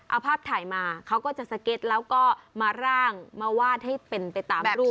เอาภาพถ่ายมาเขาก็จะสเก็ตแล้วก็มาร่างมาวาดให้เป็นไปตามรูป